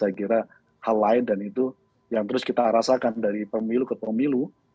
saya kira hal lain dan itu yang terus kita rasakan dari pemilu ke pemilu